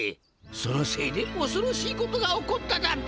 そのせいでおそろしいことが起こったダッピ！